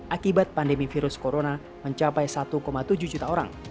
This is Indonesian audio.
akibat pandemi virus corona mencapai satu tujuh juta orang